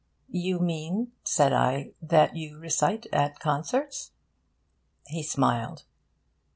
'You mean,' said I, 'that you recite at concerts?' He smiled.